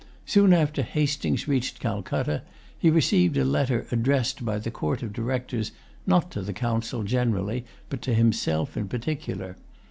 Soon after Hastings reached Calcutta, he received a letter addressed by the Court of Directors, not to the council generally, but to himself in particular.